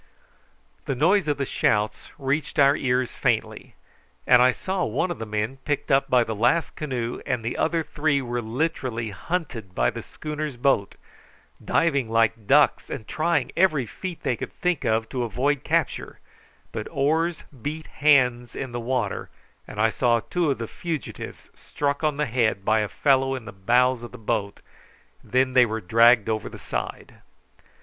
The noise of the shouts reached our ears faintly, and I saw one of the men picked up by the last canoe, and the other three were literally hunted by the schooner's boat, diving like ducks and trying every feat they could think of to avoid capture; but oars beat hands in the water, and I saw two of the fugitives struck on the head by a fellow in the bows of the boat, and then they were dragged over the side.